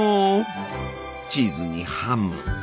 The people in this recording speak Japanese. チーズにハム。